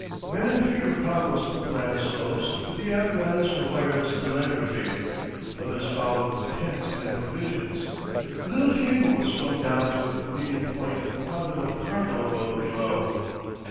Men appeared upon those upland slopes with the apparatus for wireless telegraphy; others followed with tents and provisions; a little cable was flung down to a convenient point upon the Locarno road below.